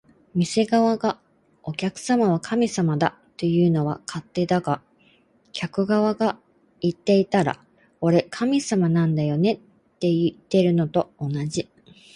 店側が「お客様は神様だ」というのは勝手だが、客側が言っていたら「俺、神様なんだよね」っていってるのと同じ